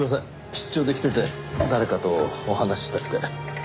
出張で来てて誰かとお話ししたくて。